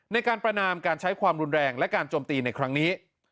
ในการประนามการใช้ความรุนแรงและการโจมตีในครั้งนี้